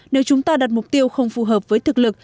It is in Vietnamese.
nếu chúng ta đặt mục tiêu không phù hợp với thực lực